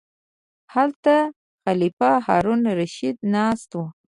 هلته خلیفه هارون الرشید ناست و.